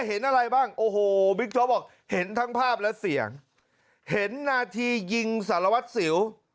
เห็นอะไรบ้างโอ้โหบิ๊กโจ๊กบอกเห็นทั้งภาพและเสียงเห็นนาทียิงสารวัตรสิว